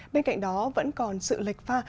bên cạnh đó vẫn còn sự lệch pha